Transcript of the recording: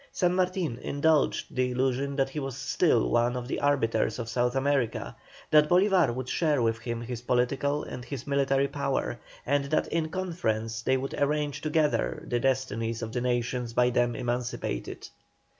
San Martin indulged the illusion that he was still one of the arbiters of South America, that Bolívar would share with him his political and his military power, and that in conference they would arrange together the destinies of the nations by them emancipated.